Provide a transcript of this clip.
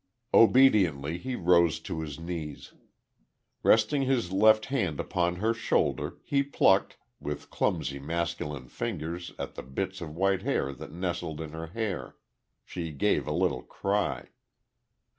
Obediently he rose to his knees. Resting his left hand upon her shoulder, he plucked, with clumsy masculine fingers at the bits of white that nestled in her hair.... She gave a little cry.